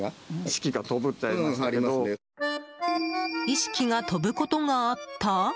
意識が飛ぶことがあった？